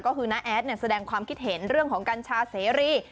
ก็คือน้าแอดแสดงความคิดเห็นเรื่องของกัญชาเสรี